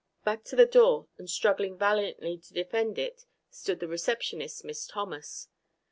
Back to the door and struggling valiantly to defend it stood the receptionist, Miss Thomas.